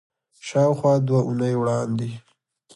شاوخوا دوه اونۍ وړاندې